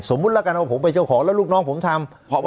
สมมุติแล้วกันว่าผมไปเจ้าของแล้วลูกน้องผมทำ